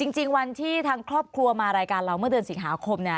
จริงวันที่ทางครอบครัวมารายการเราเมื่อเดือนสิงหาคมเนี่ย